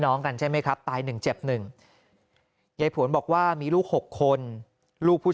กันใช่ไหมครับตาย๑เจ็บ๑ยายผวนบอกว่ามีลูก๖คนลูกผู้